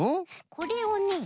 これをね